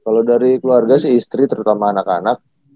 kalau dari keluarga sih istri terutama anak anak